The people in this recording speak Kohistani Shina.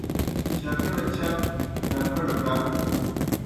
چکڑ چک، ڈکڑ ڈک